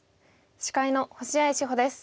司会の星合志保です。